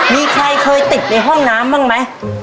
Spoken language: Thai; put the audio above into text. มีใครเคยติดในห้องน้ำบ้างไหม